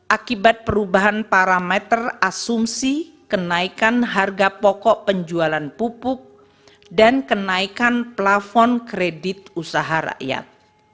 akibat perubahan parameter asumsi kenaikan harga pokok penjualan pupuk dan kenaikan plafon kredit usaha rakyat